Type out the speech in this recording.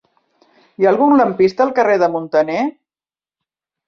Hi ha algun lampista al carrer de Muntaner?